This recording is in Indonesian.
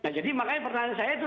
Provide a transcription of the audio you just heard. nah jadi makanya pertanyaan saya itu